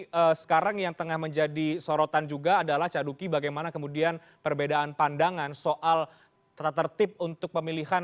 jadi sekarang yang tengah menjadi sorotan juga adalah cah duki bagaimana kemudian perbedaan pandangan soal tata tertib untuk pemilihan